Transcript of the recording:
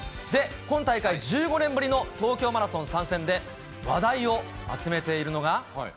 で、今大会１５年ぶりの東京マラソン参戦で、話題を集めているのが。